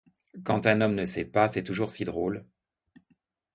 Quand un homme ne sait pas, c'est toujours si drôle!